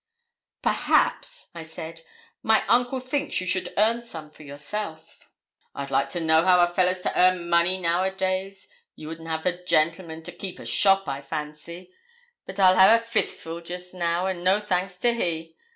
'Perhaps,' I said, 'my uncle thinks you should earn some for yourself.' 'I'd like to know how a fella's to earn money now a days. You wouldn't have a gentleman to keep a shop, I fancy. But I'll ha' a fistful jist now, and no thanks to he.